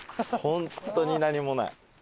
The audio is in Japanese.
本当に何もない。